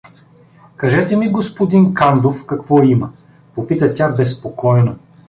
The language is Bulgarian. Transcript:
— Кажете ми, господин Кандов, какво има? — попита тя безпокойно.